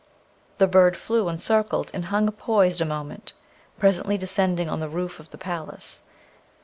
The bird flew, and circled, and hung poised a moment, presently descending on the roof of the palace.